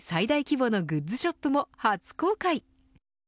また、世界最大規模のグッズショップも初公開。